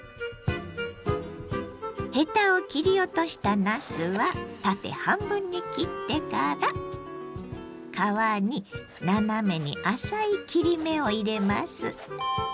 ヘタを切り落としたなすは縦半分に切ってから皮に斜めに浅い切り目を入れます。